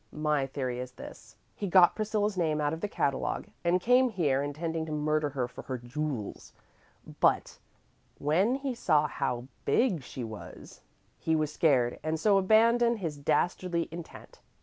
My theory is this: He got Priscilla's name out of the catalogue, and came here intending to murder her for her jools; but when he saw how big she was he was scared and so abandoned his dastardly intent.